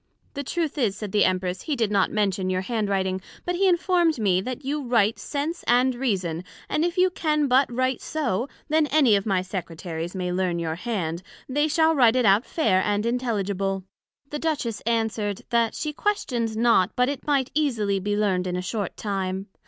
The truth is, said the Empress, he did not mention your hand writing; but he informed me, that you writ Sense and Reason, and if you can but write so, that any of my Secretaries may learn your hand, they shall write it out fair and intelligible. The Duchess answered, That she questioned not but it might easily be learned in a short time.